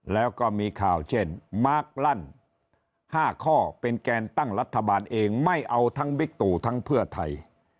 แล้วก็มีข่าวเช่นมาร์คลั่น๕ข้อเป็นแกนตั้งรัฐบาลเองไม่เอาทั้งบิ๊กตู่ทั้งเพื่อไทย